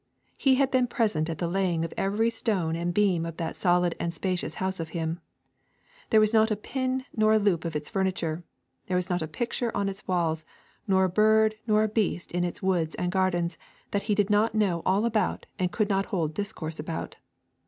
He had been present at the laying of every stone and beam of that solid and spacious house of his. There was not a pin nor a loop of its furniture, there was not a picture on its walls, nor a bird nor a beast in its woods and gardens, that he did not know all about and could not hold discourse about.